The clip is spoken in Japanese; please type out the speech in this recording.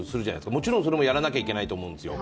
もちろんそれもやらなきゃいけないと思うんですよ。